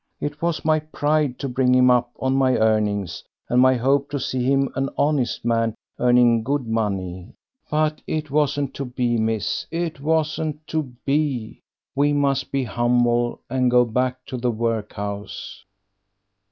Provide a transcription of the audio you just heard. It was my pride to bring him up on my earnings, and my hope to see him an honest man earning good money. But it wasn't to be, miss, it wasn't to be. We must be humble and go back to the workhouse."